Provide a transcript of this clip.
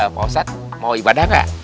pak ustadz mau ibadah nggak